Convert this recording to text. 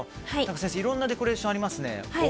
先生、いろんなデコレーションがありますね。